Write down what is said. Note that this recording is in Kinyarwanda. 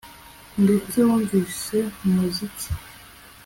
Ndetse bumvise umuziki